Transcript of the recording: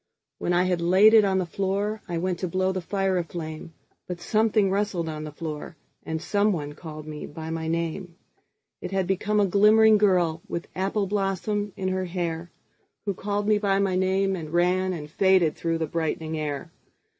When I had laid it on the floorI went to blow the fire a flame, But something rustled on the floor, And someone called me by my name:It had become a glimmering girlWith apple blossom in her hairWho called me by my name and ranAnd faded through the brightening air.